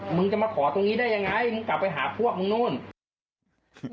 มึงจะมาขอตรงนี้ได้ยังไงมึงกลับไปหาพวกมึงนู่น